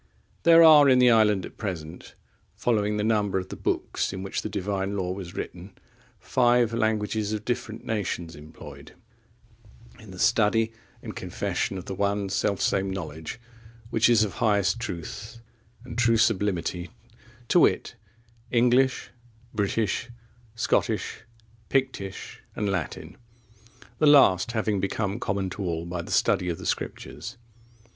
There are in the island at present, following the number of the books in which the Divine Law was written, five(27) languages of different nations employed in the study and confession of the one self same knowledge, which is of highest truth and true sublimity, to wit, English, British, Scottish, Pictish, and Latin, the last having become common to all by the study of the Scriptures.